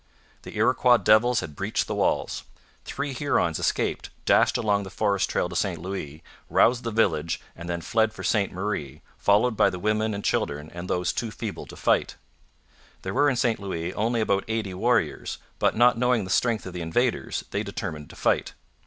The Iroquois devils had breached the walls. Three Hurons escaped, dashed along the forest trail to St Louis, roused the village, and then fled for Ste Marie, followed by the women and children and those too feeble to fight. There were in St Louis only about eighty warriors, but, not knowing the strength of the invaders, they determined to fight.